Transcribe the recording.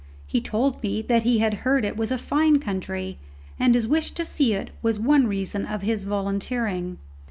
He told me that he had heard it was a fine country, and his wish to see it was one reason of his volunteering.